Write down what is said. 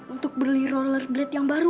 untuk beli roller glet yang baru